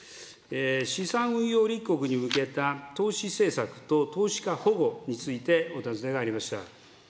資産運用立国に向けた投資政策と投資家保護についてお尋ねがありました。